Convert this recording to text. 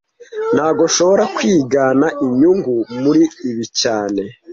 Ntago nshobora kwigana inyungu muri ibi cyane